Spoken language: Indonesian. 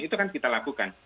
itu kan kita lakukan